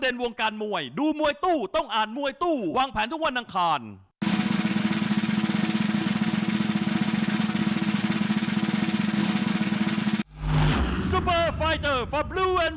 โอ้วมันจริงครับ